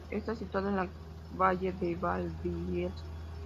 Está situado en el valle de Valdivielso.